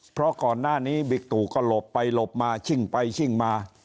เพราะก่อนหน้านี้บิ๊กตู่ก็หลบไปหลบมาชิ่งไปชิ่งมา